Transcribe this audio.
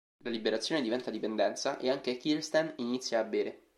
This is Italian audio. La liberazione diventa dipendenza e anche Kirsten inizia a bere.